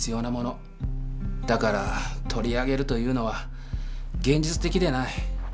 だから取り上げるというのは現実的でない。